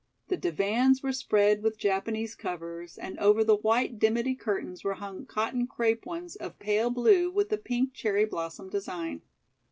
The divans were spread with Japanese covers, and over the white dimity curtains were hung cotton crepe ones of pale blue with a pink cherry blossom design.